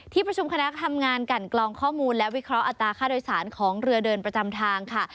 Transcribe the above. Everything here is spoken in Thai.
ประชุมคณะทำงานกันกลองข้อมูลและวิเคราะห์อัตราค่าโดยสารของเรือเดินประจำทางค่ะ